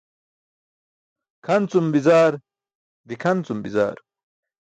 Kʰan cum ke bi̇zaar, dikʰan cum ke bi̇zaar.